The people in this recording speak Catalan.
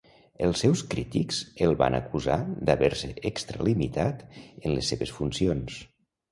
Els seus crítics el van acusar d'haver-se extralimitat en les seves funcions.